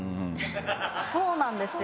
そうなんですよ。